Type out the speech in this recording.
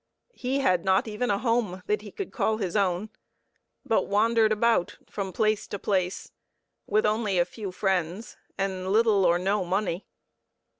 He had not even a home that he could call his own, but wandered about from place to place, with only a few friends and little or no money.